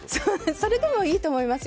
それでもいいと思います。